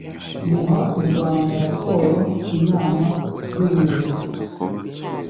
muha u rwanda raporo inama y ubuyobozi